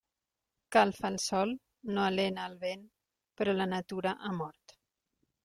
Calfa el sol, no alena el vent, però la natura ha mort.